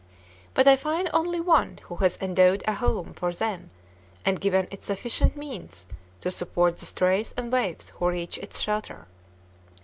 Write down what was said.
But I find only one who has endowed a home for them and given it sufficient means to support the strays and waifs who reach its shelter.